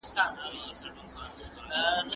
زعفران یو روغتیایی معجزه ګڼل کېږي.